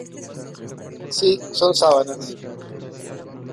Sí, son sábanas.